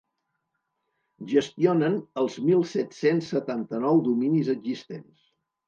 Gestionen els mil set-cents setanta-nou dominis existents.